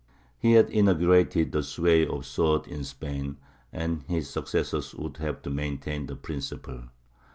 He had inaugurated the sway of the sword in Spain, and his successors would have to maintain the principle.